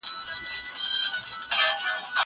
زه به سبا قلم استعمالوم کړم!